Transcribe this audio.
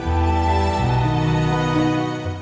sudah dikasih kesembuhan